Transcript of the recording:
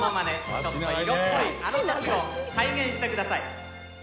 ちょっと色っぽいあの時を再現してください。